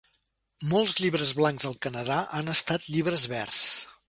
Molts llibres blancs al Canadà han estat llibres verds.